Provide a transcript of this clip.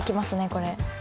これ。